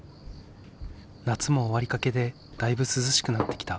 夏も終わりかけでだいぶ涼しくなってきた。